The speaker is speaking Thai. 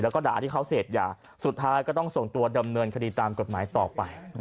แล้วก็ด่าที่เขาเสพยาสุดท้ายก็ต้องส่งตัวดำเนินคดีตามกฎหมายต่อไป